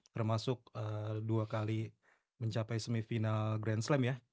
termasuk dua kali mencapai semifinal grand slam ya